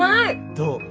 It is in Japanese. どう？